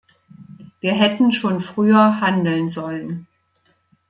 Wir hätten schon früher handeln sollen.